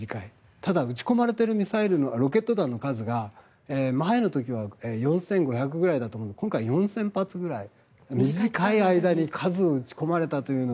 ただ、撃ち込まれているロケット弾の数が前の時は４５００ぐらいだったのが今回は４０００発ぐらい短い間に数を撃ち込まれたという。